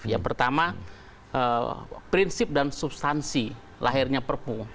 yang pertama prinsip dan substansi lahirnya perpu